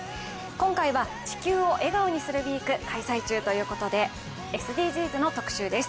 今回は「地球を笑顔にするＷＥＥＫ」開催中ということでＳＤＧｓの特集です。